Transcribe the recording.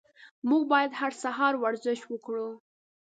موږ باید هر سهار ورزش وکړو.